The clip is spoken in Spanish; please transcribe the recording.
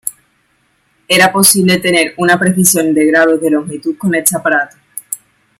Era posible tener una precisión de grados de longitud con este aparato.